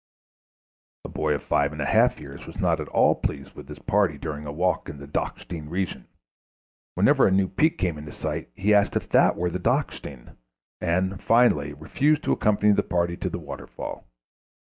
A boy of five and a half years was not at all pleased with his party during a walk in the Dachstein region. Whenever a new peak came into sight he asked if that were the Dachstein, and, finally, refused to accompany the party to the waterfall.